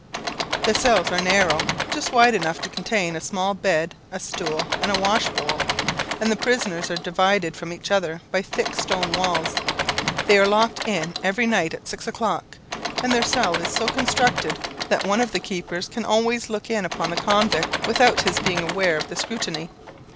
The cells are narrow, just wide enough to contain a small bed, a stool, and a wash bowl, and the prisoners are divided from each other by thick stone walls. They are locked in every night at six o'clock, and their cell is so constructed, that one of the keepers can always look in upon the convict without his being aware of the scrutiny.